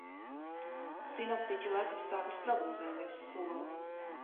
Sinoptiķi laikapstākļus prognozē, nevis sola.